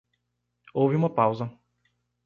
Houve uma pausa.